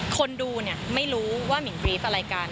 คนดูเนี่ยไม่รู้ว่ามิ่งกรี๊ดอะไรกัน